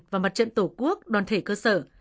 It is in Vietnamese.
và mặt trận tổ quốc đoàn thể cơ sở